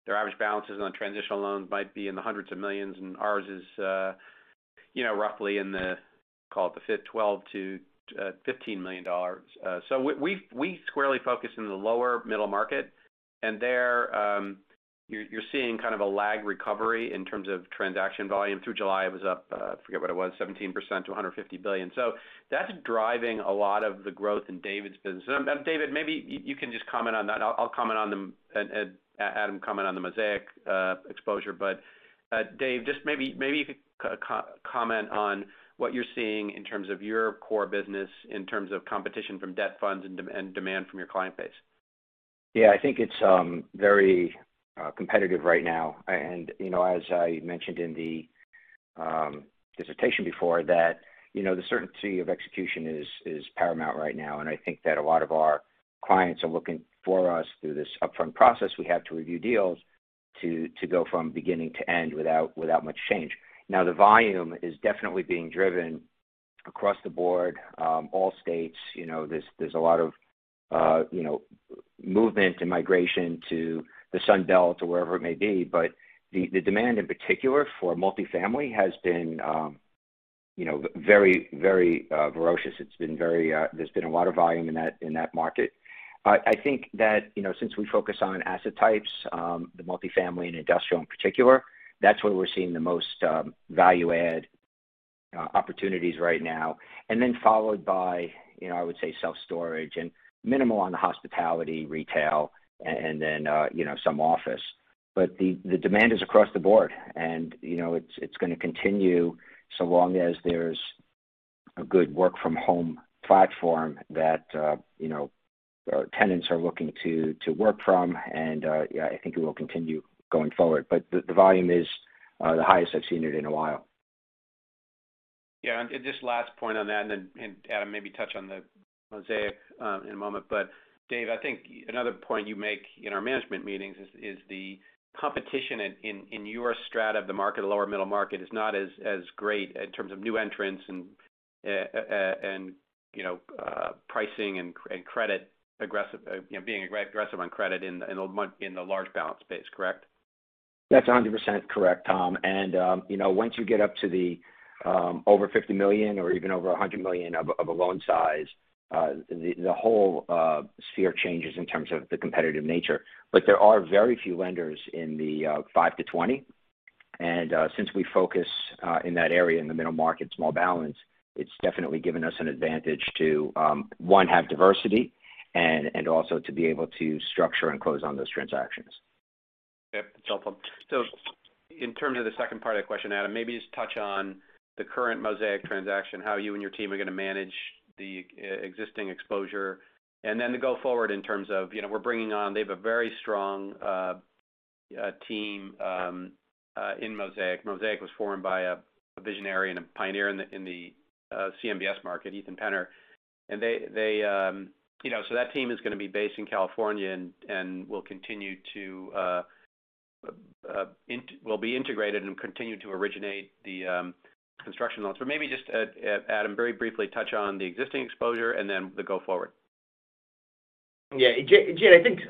Speaker 3: Their average balances on transitional loans might be in the hundreds of millions, and ours is, you know, roughly in the, call it the $12 million-$15 million. So we squarely focus in the lower middle market. There, you're seeing kind of a lag recovery in terms of transaction volume. Through July, it was up, I forget what it was, 17% to $150 billion. That's driving a lot of the growth in David's business. David, maybe you can just comment on that. I'll comment on them and Adam comment on the Mosaic exposure. Dave, just maybe you could comment on what you're seeing in terms of your core business, in terms of competition from debt funds and demand from your client base.
Speaker 4: Yeah. I think it's very competitive right now. You know, as I mentioned in the presentation before that, you know, the certainty of execution is paramount right now. I think that a lot of our clients are looking for us through this upfront process we have to review deals to go from beginning to end without much change. Now, the volume is definitely being driven across the board, all states. You know, there's a lot of you know, movement and migration to the Sun Belt or wherever it may be. The demand in particular for multifamily has been, you know, very ferocious. It's been very. There's been a lot of volume in that market. I think that, you know, since we focus on asset types, the multifamily and industrial in particular, that's where we're seeing the most value add opportunities right now. And then followed by, you know, I would say self-storage and minimal on the hospitality, retail and then, you know, some office. But the demand is across the board and, you know, it's gonna continue so long as there's a good work from home platform that, you know, our tenants are looking to work from. Yeah, I think it will continue going forward. The volume is the highest I've seen it in a while.
Speaker 3: Yeah. Just last point on that, then Adam maybe touch on the Mosaic in a moment. Dave, I think another point you make in our management meetings is the competition in your strata of the market, the lower middle market is not as great in terms of new entrants and, you know, pricing and credit aggressive, you know, being aggressive on credit in the large balance space, correct?
Speaker 4: That's 100% correct, Tom. You know, once you get up to the over $50 million or even over $100 million of a loan size, the whole sphere changes in terms of the competitive nature. But there are very few lenders in the $5 million-$20 million. Since we focus in that area, in the middle market, small balance, it's definitely given us an advantage to one, have diversity and also to be able to structure and close on those transactions.
Speaker 3: Yeah. It's helpful. In terms of the second part of the question, Adam, maybe just touch on the current Mosaic transaction, how you and your team are gonna manage the existing exposure, and then the go forward in terms of, you know, we're bringing on. They have a very strong team in Mosaic. Mosaic was formed by a visionary and a pioneer in the CMBS market, Ethan Penner. They, you know, that team is gonna be based in California and will be integrated and continue to originate the construction loans. Maybe just Adam, very briefly touch on the existing exposure and then the go forward.
Speaker 6: Yeah. Jade, I think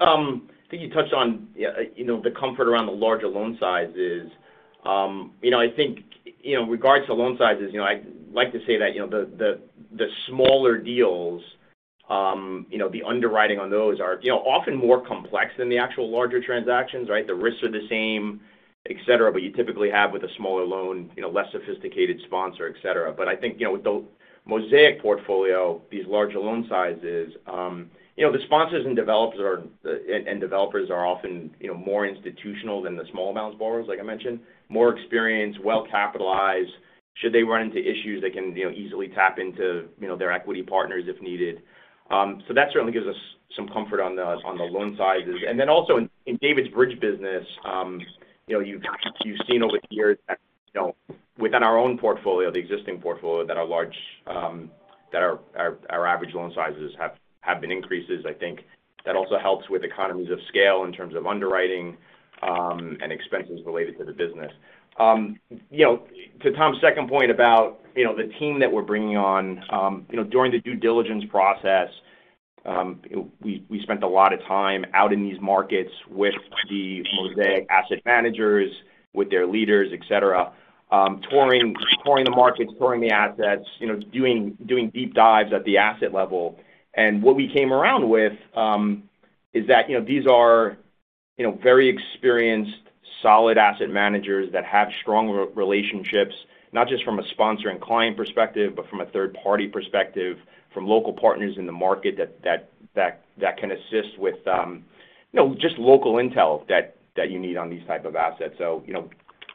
Speaker 6: you touched on you know, the comfort around the larger loan sizes. You know, I think in regards to loan sizes, you know, I like to say that you know, the smaller deals you know, the underwriting on those are you know, often more complex than the actual larger transactions, right? The risks are the same, et cetera, but you typically have with a smaller loan you know, less sophisticated sponsor, et cetera. I think you know, with the Mosaic portfolio, these larger loan sizes you know, the sponsors and developers are and developers are often you know, more institutional than the small amounts borrowers, like I mentioned, more experienced, well capitalized. Should they run into issues they can you know, easily tap into you know, their equity partners if needed. That certainly gives us some comfort on the loan sizes. In David's bridge business, you know, you've seen over the years that, you know, within our own portfolio, the existing portfolio, that our average loan sizes have been increases. I think that also helps with economies of scale in terms of underwriting and expenses related to the business. You know, to Tom's second point about, you know, the team that we're bringing on. You know, during the due diligence process, we spent a lot of time out in these markets with the Mosaic asset managers, with their leaders, et cetera, touring the markets, touring the assets, you know, doing deep dives at the asset level. What we came around with is that, you know, these are, you know, very experienced solid asset managers that have strong relationships, not just from a sponsor and client perspective, but from a third-party perspective, from local partners in the market that can assist with, you know, just local intel that you need on these type of assets. You know,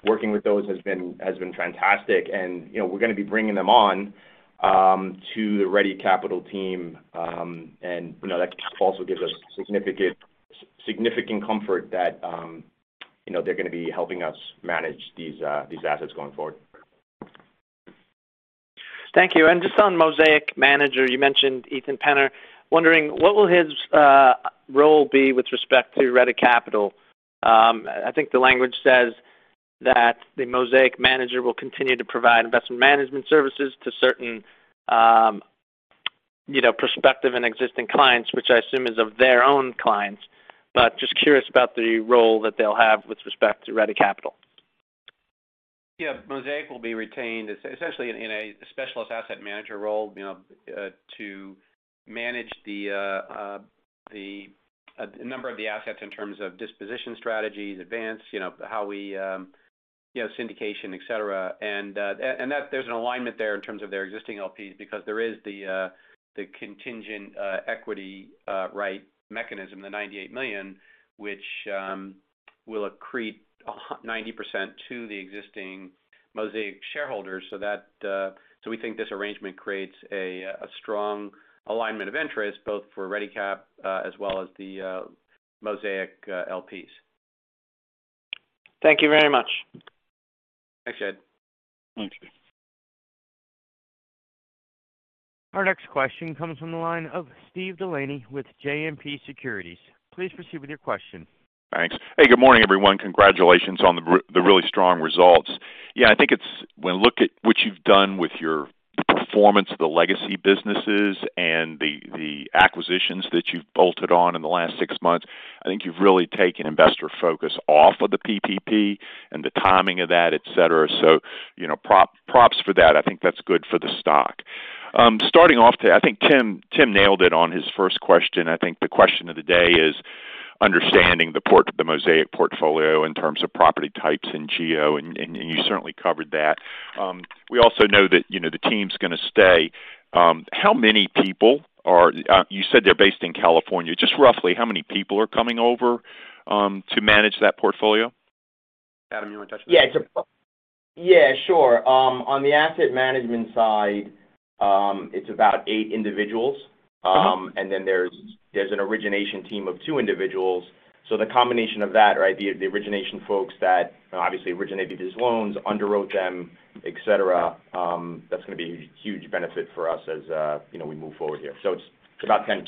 Speaker 6: working with those has been fantastic and, you know, we're gonna be bringing them on to the Ready Capital team. You know, that also gives us significant comfort that, you know, they're gonna be helping us manage these assets going forward.
Speaker 9: Thank you. Just on Mosaic manager, you mentioned Ethan Penner. I'm wondering what his role will be with respect to Ready Capital. I think the language says that the Mosaic manager will continue to provide investment management services to certain, you know, prospective and existing clients, which I assume is of their own clients. Just curious about the role that they'll have with respect to Ready Capital.
Speaker 3: Yeah. Mosaic will be retained essentially in a specialist asset manager role, you know, to manage the, a number of the assets in terms of disposition strategies, advance, you know, how we, you know, syndication, et cetera. That there's an alignment there in terms of their existing LPs because there is the contingent, equity, right mechanism, the $98 million, which, will accrete 90% to the existing Mosaic shareholders. That, we think this arrangement creates a strong alignment of interest both for Ready Capital, as well as the, Mosaic, LPs.
Speaker 9: Thank you very much.
Speaker 3: Thanks, Jade.
Speaker 6: Thank you.
Speaker 1: Our next question comes from the line of Steve DeLaney with JMP Securities. Please proceed with your question.
Speaker 10: Thanks. Hey, good morning, everyone. Congratulations on the really strong results. Yeah, I think when I look at what you've done with your performance, the legacy businesses and the acquisitions that you've bolted on in the last six months, I think you've really taken investor focus off of the PPP and the timing of that, et cetera. You know, props for that. I think that's good for the stock. Starting off today, I think Tim nailed it on his first question. I think the question of the day is understanding the Mosaic portfolio in terms of property types and geo, and you certainly covered that. We also know that, you know, the team's gonna stay. How many people are you said they're based in California. Just roughly how many people are coming over to manage that portfolio?
Speaker 3: Adam, you wanna touch that?
Speaker 6: Yeah, it's a. Yeah, sure. On the asset management side, it's about eight individuals.
Speaker 10: Uh-huh.
Speaker 6: There's an origination team of two individuals. The combination of that, right, the origination folks that obviously originated these loans, underwrote them, et cetera, that's gonna be a huge benefit for us as you know, we move forward here. It's about 10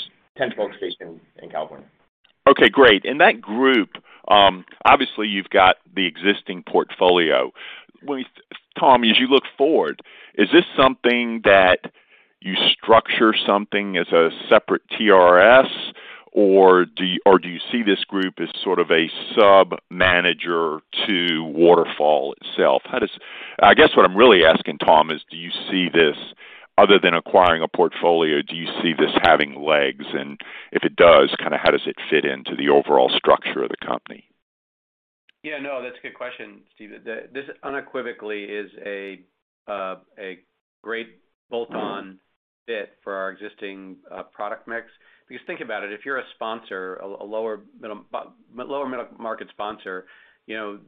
Speaker 6: folks based in California.
Speaker 10: Okay, great. In that group, obviously you've got the existing portfolio. Tom, as you look forward, is this something that you structure something as a separate TRS, or do you see this group as sort of a sub manager to Waterfall itself? I guess what I'm really asking, Tom, is do you see this other than acquiring a portfolio, do you see this having legs? If it does, kinda how does it fit into the overall structure of the company?
Speaker 3: Yeah, no, that's a good question, Steve. This unequivocally is a great bolt-on fit for our existing product mix. Because think about it, if you're a sponsor, a lower middle market sponsor, you know,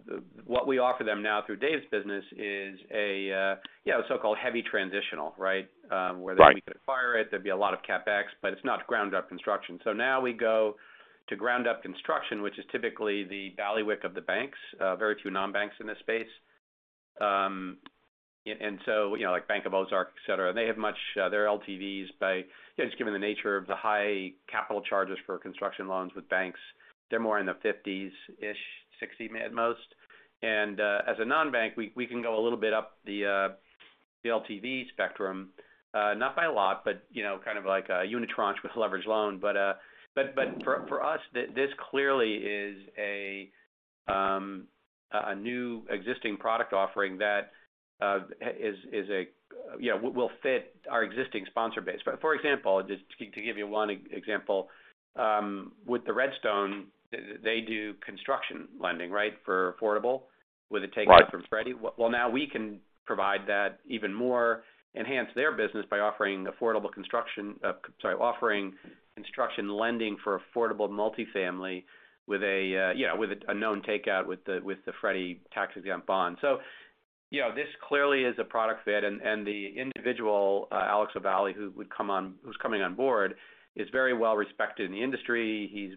Speaker 3: what we offer them now through Dave's business is a, you know, a so-called heavy transitional, right? Where they.
Speaker 10: Right
Speaker 3: Acquire it, there'd be a lot of CapEx, but it's not ground up construction. Now we go to ground up construction, which is typically the bailiwick of the banks. Very few non-banks in this space. You know, like Bank OZK, etc., they have much lower LTVs, you know, just given the nature of the high capital charges for construction loans with banks, they're more in the 50s-ish, 60 at most. As a non-bank, we can go a little bit up the LTV spectrum, not by a lot, but you know, kind of like a unitranche with a leverage loan. But for us, this clearly is a new existing product offering that, you know, will fit our existing sponsor base. For example, just to give you one example, with the RedStone, they do construction lending, right, for affordable with a takeout.
Speaker 10: Right.
Speaker 3: From Freddie. Well, now we can provide that even more, enhance their business by offering construction lending for affordable multifamily with a, you know, with a known takeout with the Freddie tax-exempt bond. You know, this clearly is a product fit. The individual, Alex Ovalle, who's coming on board, is very well respected in the industry. He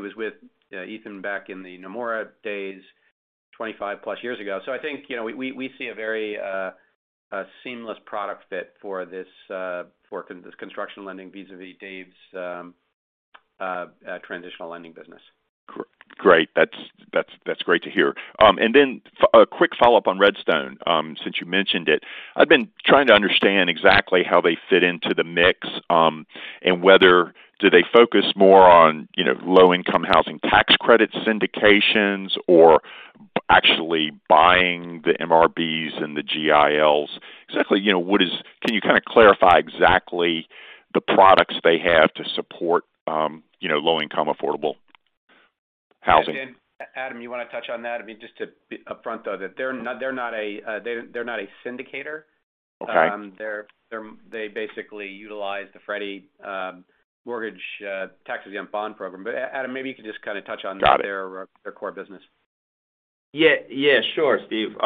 Speaker 3: was with Ethan back in the Nomura days 25+ years ago. I think, you know, we see a very, a seamless product fit for this construction lending vis-à-vis Dave's transitional lending business.
Speaker 10: Great. That's great to hear. A quick follow-up on RedStone, since you mentioned it. I've been trying to understand exactly how they fit into the mix, and whether do they focus more on, you know, low-income housing tax credit syndications or actually buying the MRBs and the GILs. Exactly, you know, what is? Can you kinda clarify exactly the products they have to support, you know, low-income affordable housing?
Speaker 3: Adam, you wanna touch on that? I mean, just to be upfront, though, that they're not a syndicator.
Speaker 10: Okay.
Speaker 3: They basically utilize the Freddie Mac tax-exempt bond program. Adam, maybe you can just kinda touch on.
Speaker 10: Got it.
Speaker 3: Their core business.
Speaker 6: Yeah. Yeah, sure, Steve.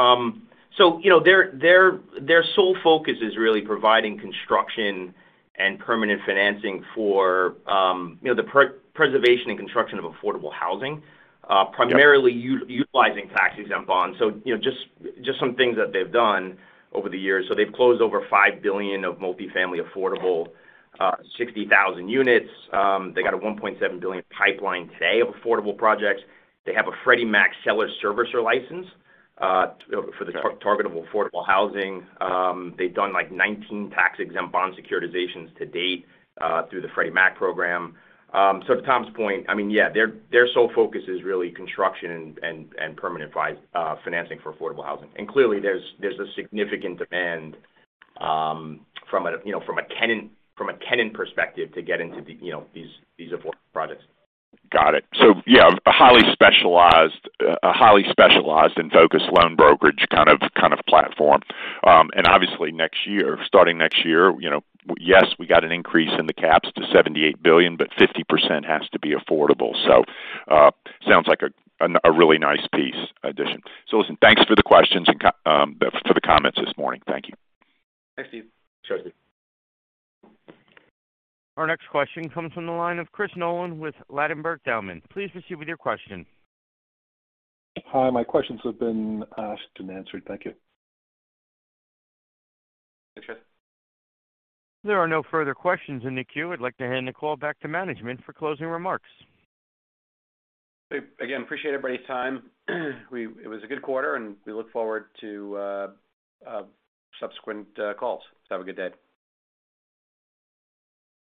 Speaker 6: You know, their sole focus is really providing construction and permanent financing for, you know, the preservation and construction of affordable housing.
Speaker 10: Yeah.
Speaker 6: Primarily utilizing tax-exempt bonds. You know, just some things that they've done over the years. They've closed over $5 billion of multifamily affordable, 60,000 units. They got a $1.7 billion pipeline today of affordable projects. They have a Freddie Mac seller servicer license for the target of affordable housing. They've done, like, 19 tax-exempt bond securitizations to date through the Freddie Mac program. To Tom's point, I mean, yeah, their sole focus is really construction and permanent financing for affordable housing. Clearly, there's a significant demand from a tenant perspective to get into these affordable projects.
Speaker 10: Got it. Yeah, a highly specialized and focused loan brokerage kind of platform. Obviously next year, starting next year, you know, yes, we got an increase in the caps to $78 billion, but 50% has to be affordable. Sounds like a really nice piece addition. Listen, thanks for the questions and for the comments this morning. Thank you.
Speaker 3: Thanks, Steve.
Speaker 6: Thanks, Steve.
Speaker 1: Our next question comes from the line of Chris Nolan with Ladenburg Thalmann. Please proceed with your question.
Speaker 11: Hi, my questions have been asked and answered. Thank you.
Speaker 3: Thanks, Chris.
Speaker 1: If there are no further questions in the queue, I'd like to hand the call back to management for closing remarks.
Speaker 3: We again appreciate everybody's time. It was a good quarter, and we look forward to subsequent calls. Have a good day.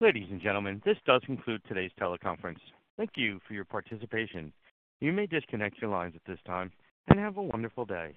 Speaker 1: Ladies and gentlemen, this does conclude today's teleconference. Thank you for your participation. You may disconnect your lines at this time and have a wonderful day.